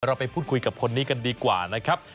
เราไปพูดคุยกับคนนี้กันดีกว่านะครับ